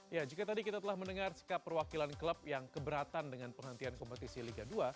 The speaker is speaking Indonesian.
ya jika tadi kita telah mendengar sikap perwakilan klub yang keberatan dengan penghentian kompetisi liga dua